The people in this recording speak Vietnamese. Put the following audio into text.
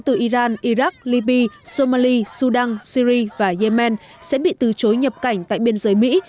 từ iran iraq libya somalia sudan syria và yemen sẽ bị từ chối nhập cảnh tại biên giới mỹ